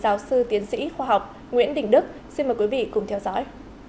giáo sư tiến sĩ khoa học nguyễn đình đức xin mời quý vị cùng theo dõi